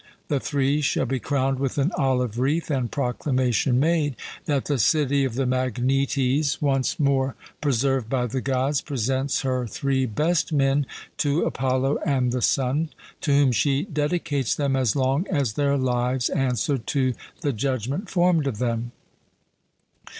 The three shall be crowned with an olive wreath, and proclamation made, that the city of the Magnetes, once more preserved by the Gods, presents her three best men to Apollo and the Sun, to whom she dedicates them as long as their lives answer to the judgment formed of them.